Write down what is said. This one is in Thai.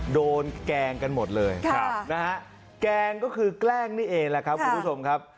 แกล้งกันหมดเลยนะฮะแกล้งก็คือแกล้งนี่เองแหละครับคุณผู้ชมครับ